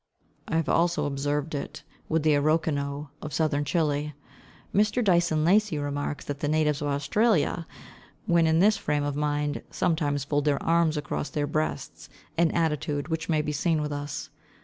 I have also observed it with the Araucanos of southern Chili. Mr. Dyson Lacy remarks that the natives of Australia, when in this frame of mind, sometimes fold their arms across their breasts, an attitude which may be seen with us.